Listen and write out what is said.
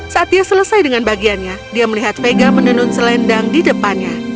saat dia selesai dengan bagiannya dia melihat vega menenun selendang di depannya